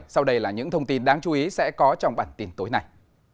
sau đây là những thông tin đáng chú ý sẽ có trong bản tin tối nay